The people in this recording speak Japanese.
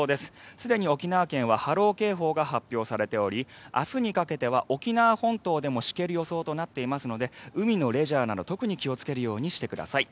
すでに沖縄県は波浪警報が発表されており明日にかけては沖縄本島でもしける予報となっていますので海のレジャーなど特に気をつけるようにしてください。